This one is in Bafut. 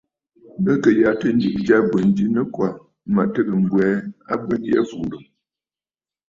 Bɨ kɨ̀ yàtə̂ ǹjɨ̀ʼɨ̀ ja ɨ̀bwèn ji nɨkwà, mə̀ tɨgə̀ m̀bwɛɛ abwen yî fùùrə̀.